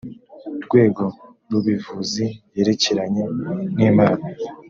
rwego r ubivuzi yerekeranye n impano